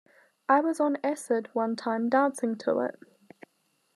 I was on acid one time dancing to it.